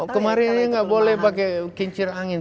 kemarin ini nggak boleh pakai kincir angin